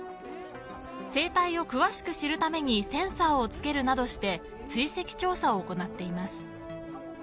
生態を詳しく知るためにセンサーを付けるなどして追跡調査を行っています。